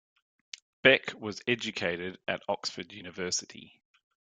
Bek was educated at Oxford University.